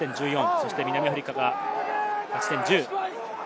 そして南アフリカが勝ち点１０。